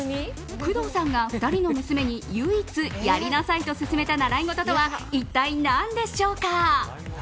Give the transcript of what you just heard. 工藤さんが２人の娘に唯一やりなさいと勧めた習い事とは一体何でしょうか。